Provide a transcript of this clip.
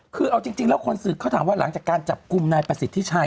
คือเอาจริงแล้วคนสืบเขาถามว่าหลังจากการจับกลุ่มนายประสิทธิชัย